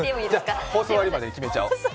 じゃあ、放送終わりまでに決めちゃおう。